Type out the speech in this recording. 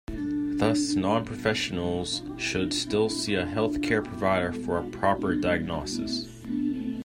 Thus, non-professionals should still see a health care provider for a proper diagnosis.